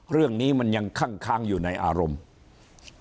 เรื่องนี้มันยังคั่งค้างอยู่ในอารมณ์